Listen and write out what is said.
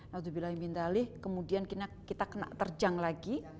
naudzubillahim bint ali kemudian kita terjang lagi